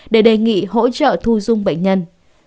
để đề nghị hỗ trợ thu dung bệnh nhân